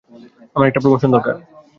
আমার একটা প্রমোশন দরকার।